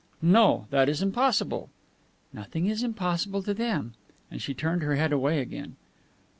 "No, that is impossible." "Nothing is impossible to them." And she turned her head away again.